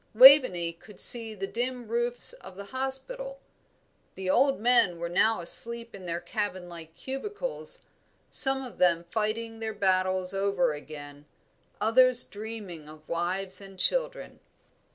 Waveney could see the dim roofs of the Hospital; the old men were all now asleep in their cabin like cubicles some of them fighting their battles over again, others dreaming of wives and children.